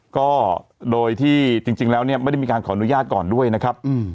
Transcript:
ก็โดยที่จริงแล้วเนี่ยไม่ได้มีการขออนุญาตก่อนด้วยนะครับ